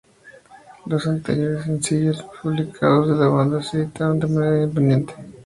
Los anteriores sencillos publicados de la banda se editaron de manera independiente.